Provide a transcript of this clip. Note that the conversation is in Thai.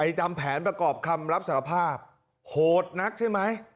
ทำแผนประกอบคำรับสารภาพโหดนักใช่ไหม